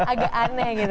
agak aneh gitu